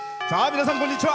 皆さん、こんにちは。